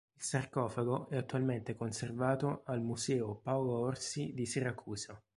Il sarcofago è attualmente conservato al Museo Paolo Orsi di Siracusa.